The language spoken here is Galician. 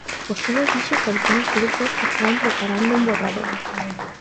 Vostede dixo que había uns grupos que estaban preparando un borrador.